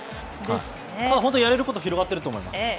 本当にやれることが広がっていると思います。